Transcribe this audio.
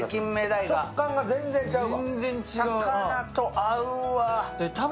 食感が全然違うわ。